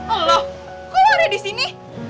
allah kok lo ada disini